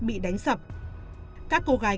bị đánh sập các cô gái